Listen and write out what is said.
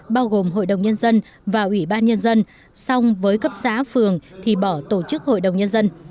bao gồm hội đồng nhân dân và ủy ban nhân dân song với cấp xã phường thì bỏ tổ chức hội đồng nhân dân